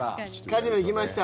カジノ行きました